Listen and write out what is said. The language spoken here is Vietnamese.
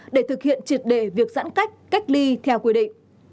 để thực hiện triệt đề việc giãn cách cách ly theo quy định